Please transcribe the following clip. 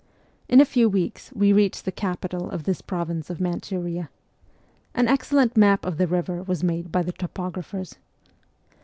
In a few weeks we reached the capital of this province of Manchuria. An excel lent map of the river was made by the topographers.